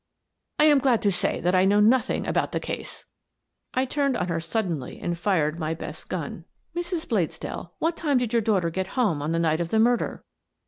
" I am glad to say that I know nothing about the case." I turned on her suddenly and fired my best gun. " Mrs. Bladesdell, what time did your daughter get home on the night of the murder